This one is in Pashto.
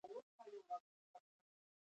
الله شا کوکو جان ته ګوګرد لرې یا نه؟